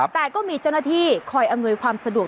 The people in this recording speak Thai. แต่ก็มีเจ้าหน้าที่คอยอำนวยความสะดวก